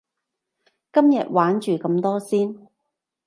今日玩住咁多先